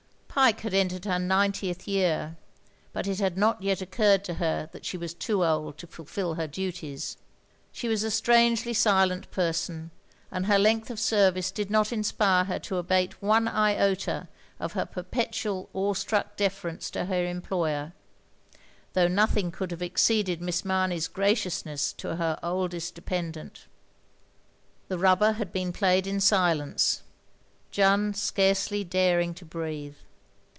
Pyke had entered her ninetieth year, but it had not yet occurred to her that she was too old to fulfil her duties. She was a strangely silent person, and her length of service did not inspire her to abate one iota of her perpettial awestruck deference to her employer, though nothing could have exceeded Miss Mameys graciousness to her oldest de pendent. The rubber had been played in silence ; Jeanne scarcely daring to breathe.